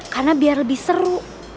karena biar lebih seru